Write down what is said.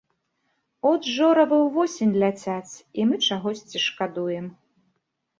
От жоравы ўвосень ляцяць, і мы чагосьці шкадуем.